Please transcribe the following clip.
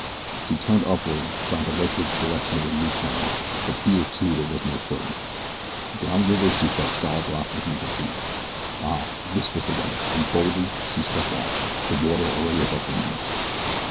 She turned upward, trying to locate the direction of the new turn; but here too there was no footing. Down river she felt solid rock beneath her feet. Ah! this was the way, and boldly she stepped out, the water already above her knees.